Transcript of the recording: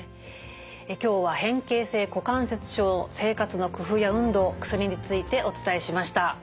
今日は変形性股関節症の生活の工夫や運動薬についてお伝えしました。